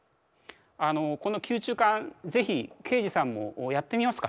あのこの吸虫管是非刑事さんもやってみますか。